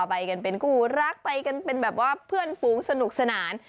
ไปกันเป็นคู่รักไปกันเป็นแบบว่าเพื่อนฝูงสนุกสนาน